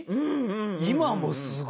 今もすごくない？